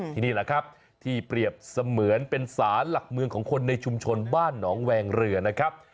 นี่แหละครับที่เปรียบเสมือนเป็นสารหลักเมืองของคนในชุมชนบ้านหนองแวงเรือนะครับ